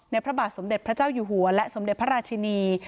พระบาทสมเด็จพระเจ้าอยู่หัวและสมเด็จพระราชินี